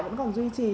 vẫn còn duy trì